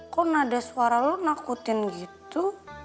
kok nada suara lo nakutin gitu